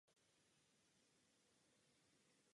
Zájem Evropy jako celku musí být nadřazen dílčím hlediskům.